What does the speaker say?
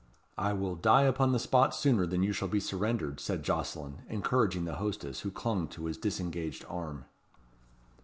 "I will die upon the spot sooner than you shall be surrendered," said Jocelyn, encouraging the hostess, who clung to his disengaged arm.